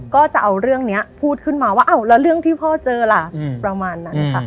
ก็จะเอาเรื่องนี้พูดขึ้นมาว่าอ้าวแล้วเรื่องที่พ่อเจอล่ะประมาณนั้นค่ะ